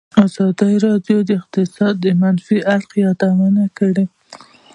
ازادي راډیو د اقتصاد د منفي اړخونو یادونه کړې.